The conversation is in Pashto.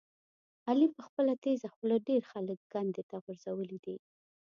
علي په خپله تېزه خوله ډېر خلک کندې ته غورځولي دي.